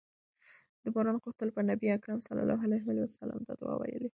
د باران غوښتلو لپاره نبي کريم صلی الله علیه وسلم دا دعاء ويلي